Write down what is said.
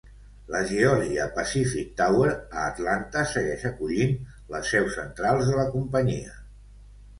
La Georgia-Pacific Tower a Atlanta segueix acollint les seus centrals de la companyia.